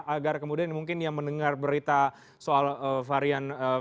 agar kemudian mungkin yang mendengar berita soal varian